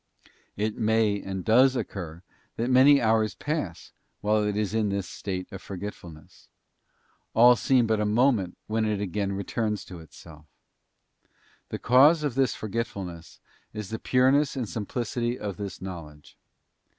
It | may and does occur that many hours pass while it is in this state of forgetfulness; all seem but a moment when it again returns to itself. The cause of this forgetfulness is the pure ness and simplicity of this knowledge.